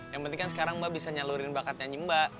yang penting kan sekarang mbak bisa nyalurin bakatnya nyimba